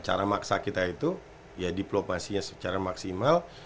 cara maksa kita itu ya diplomasinya secara maksimal